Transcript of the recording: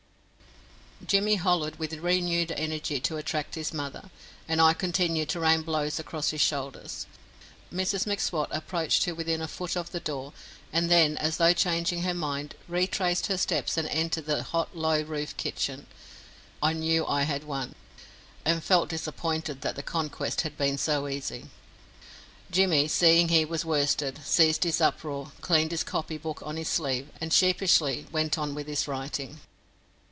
Jimmy hollered with renewed energy to attract his mother, and I continued to rain blows across his shoulders. Mrs M'Swat approached to within a foot of the door, and then, as though changing her mind, retraced her steps and entered the hot low roofed kitchen. I knew I had won, and felt disappointed that the conquest had been so easy. Jimmy, seeing he was worsted, ceased his uproar, cleaned his copy book on his sleeve, and sheepishly went on with his writing.